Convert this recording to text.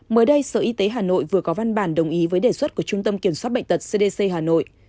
mới đây sở y tế hà nội vừa có văn bản đồng ý với đề xuất của trung tâm kiểm soát bệnh tật cdc hà nội